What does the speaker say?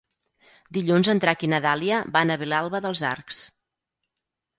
Dilluns en Drac i na Dàlia van a Vilalba dels Arcs.